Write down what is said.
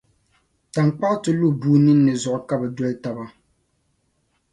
Taŋkpaɣu ti lu bua nin’ ni zuɣu ka bɛ doli taba.